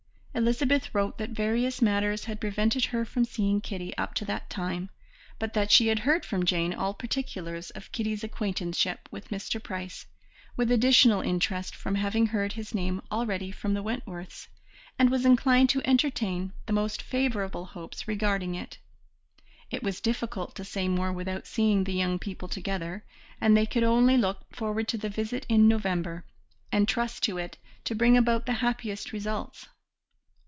Elizabeth wrote that various matters had prevented her from seeing Kitty up to that time, but that she had heard from Jane all particulars of Kitty's acquaintanceship with Mr. Price, with additional interest from having heard his name already from the Wentworths, and was inclined to entertain the most favourable hopes regarding it; it was difficult to say more without seeing the young people together, and they could only look forward to the visit in November, and trust to it to bring about the happiest results.